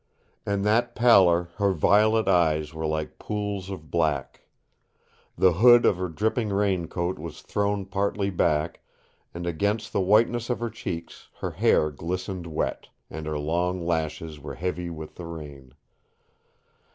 In that pallor her violet eyes were like pools of black. The hood of her dripping raincoat was thrown partly back, and against the whiteness of her cheeks her hair glistened wet, and her long lashes were heavy with the rain.